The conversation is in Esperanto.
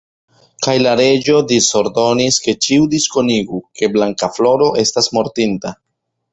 Kaj la reĝo disordonis, ke ĉiu diskonigu, ke Blankafloro estas mortinta.